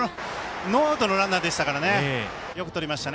ノーアウトのランナーでしたからよくとりました。